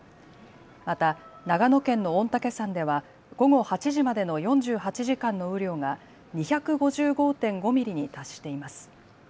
また長野県の御嶽山では午後８時までの４８時間の雨量が２５５．５ミリに達しています。